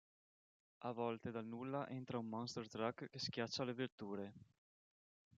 A volte dal nulla entra un Monster truck che schiaccia le vetture.